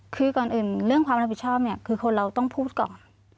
คือก่อนอื่นเรื่องความรับผิดชอบเนี่ยคือคนเราต้องพูดก่อน